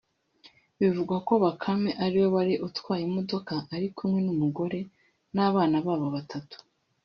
Bivugwa ko Bakame ariwe wari utwaye imodoka ari kumwe n’umugore n’abana babo batatu